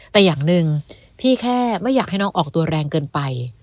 แต่อย่างหนึ่งพี่แค่ไม่อยากให้น้องออกตัวแรงเกินไป